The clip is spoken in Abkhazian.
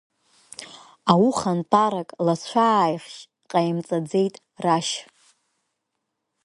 Аухантәарак лацәааихьшь ҟаимҵаӡеит Рашь.